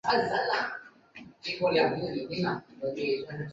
由获胜团队优先选择要对阵的对手。